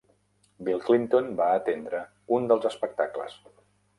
Bill Clinton va atendre un dels espectacles.